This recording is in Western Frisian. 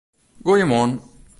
Goeiemoarn!